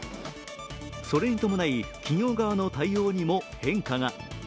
それに伴い企業側の対応にも変化が。